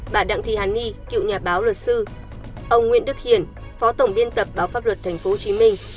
bà đặng thị hàn ni cựu nhà báo luật sư ông nguyễn đức hiển phó tổng biên tập báo pháp luật tp hcm